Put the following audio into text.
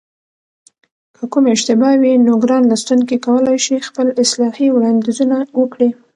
که کومه اشتباه وي نو ګران لوستونکي کولای شي خپل اصلاحي وړاندیزونه وکړي